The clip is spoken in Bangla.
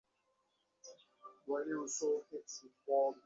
এখানকার হাওয়াটাই যে ঘোলা, তার ভিতর দিয়ে স্বচ্ছ জিনিসকেও স্বচ্ছ বোধ হয় না।